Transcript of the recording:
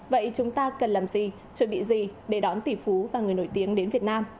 vậy chúng ta cần làm gì chuẩn bị gì để đón tỷ phú và người nổi tiếng đến việt nam